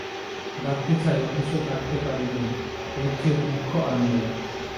ডাকতে চাই অথচ ডাকতে পারি নে, এর চেয়ে দুঃখ আর নেই।